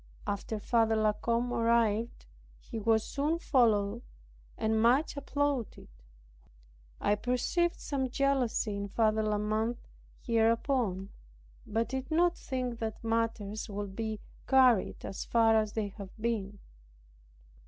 After Father La Combe arrived, he was soon followed and much applauded. I perceived some jealously in Father La Mothe hereupon, but did not think that matters would be carried so far as they have been.